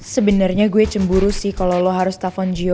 sebenernya gue cemburu sih kalo lo harus telepon gio